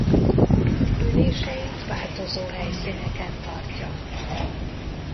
Üléseit változó helyszíneken tartja.